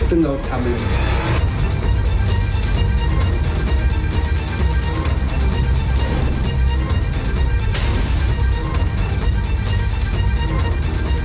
ซึ่งเราทำแบบนี้